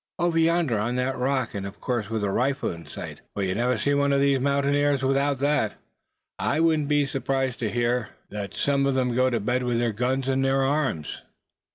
"Over yonder, on that rock, and of course with a rifle in sight; for you never see one of these mountaineers without that. I wouldn't be surprised to hear that some of them go to bed with their guns in their arms.